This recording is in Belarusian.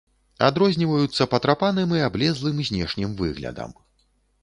Адрозніваюцца патрапаным і аблезлым знешнім выглядам.